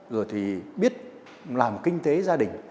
rồi thì biết làm kinh tế gia đình